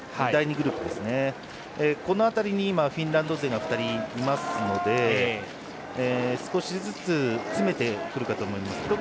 第２グループですがこの辺りにフィンランド勢が２人いますので少しずつ詰めてくるかと思います。